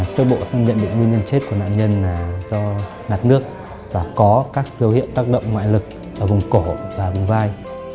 sơ bộ sang nhận định nguyên nhân chết của nạn nhân là do ngạt nước và có các dấu hiệu tác động ngoại lực ở vùng cổ và vùng vai